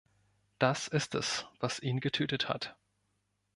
Das ist es, was ihn getötet hat.